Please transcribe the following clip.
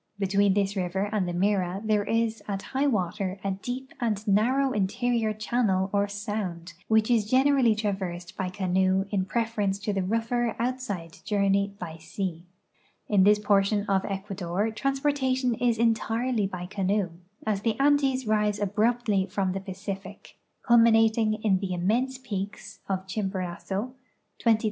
Be tween this river and the Mira there is at high water a deep and narrow interior channel or sound, which is generally traversed by canoe in preference to the rougher outside journey by sea. In this portion of Ecuador transportation is entirely by canoe, as the Andes rise abruptly from the Pacific, culminating in the im mense peaks of Chimborazo (20,498 feet) and Cotopaxi (19,480 feet).